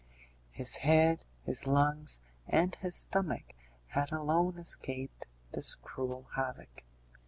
His head, his lungs, and his stomach had alone escaped this cruel havoc.